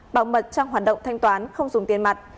bảo mật trong hoạt động thanh toán không dùng tiền mặt